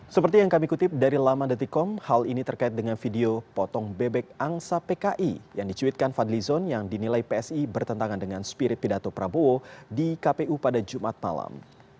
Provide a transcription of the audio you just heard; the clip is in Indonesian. seperti yang kami kutip dari laman detikom hal ini terkait dengan video potong bebek angsa pki yang dicuitkan fadlizon yang dinilai psi bertentangan dengan spirit pidato prabowo di kpu pada jumat malam